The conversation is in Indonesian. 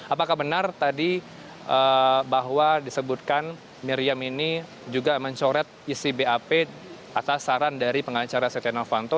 apakah benar tadi bahwa disebutkan miriam ini juga mencoret isi bap atas saran dari pengacara setia novanto